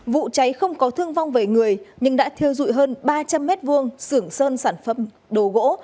vụ cháy không có thương vong về người nhưng đã thiêu dụi hơn ba trăm linh mét vuông sưởng sơn sản phẩm đồ gỗ